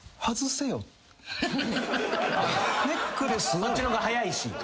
そっちの方が早いし。